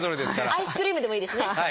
アイスクリームでもいいですね。